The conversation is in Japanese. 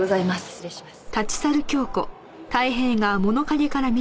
失礼します。